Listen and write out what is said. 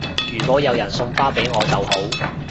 如果有人送花俾我就好